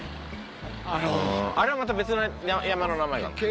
あれはまた別の山の名前なの？